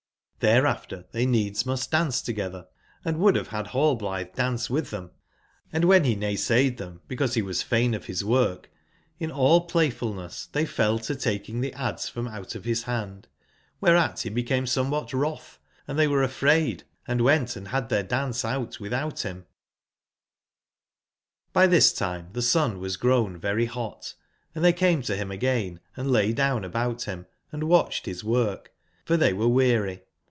ITbereaf ter tbey needs must dance togetber, & would bave bad Rall blitbe dance witb tbem ; and wben be naysaid tbem J34 because be was fain of bis worh, in all playfulness tbey fell to taking tbeadzefromout bisband, wbere/ at be became somewbat wrotb, and tbey were afraid and went and bad tbeir dance out witbout bim, Y tbis time tbe sun was grown very bot, and tbcy came to bim again, and lay down about bim & watcbed bis work, for tbey were weary.